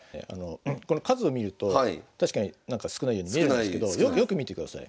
この数を見ると確かに少ないように見えるんですけどよく見てください。